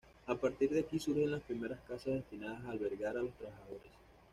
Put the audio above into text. A partir de aquí surgen las primeras casas destinadas a albergar a los trabajadores.